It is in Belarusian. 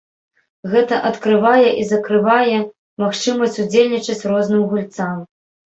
Гэта адкрывае і закрывае магчымасць удзельнічаць розным гульцам.